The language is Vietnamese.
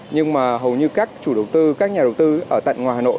nhưng mà hầu như các chủ đầu tư các nhà đầu tư ở tận ngoài hà nội